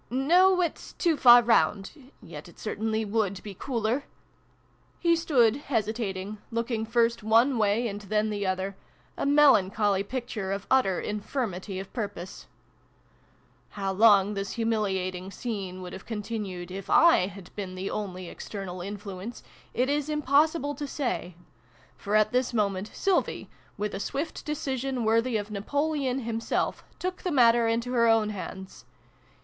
" No, it's too far round. Yet it certainly would be cooler He stood, hesitating, looking first one way and then the other a melan choly picture of utter infirmity of purpose ! How long this humiliating scene would have continued, if / had been the only external influence, it is impossible to say ; for at this moment Sylvie, with a swift decision worthy of Napoleon himself, took the matter into her own hands.